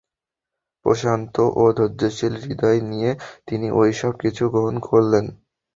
প্রশান্ত ও ধৈর্যশীল হৃদয় নিয়ে তিনি ঐ সব কিছু গ্রহণ করলেন।